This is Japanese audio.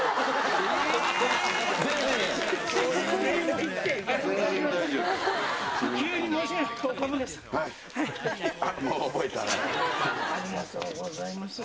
ありがとうございます。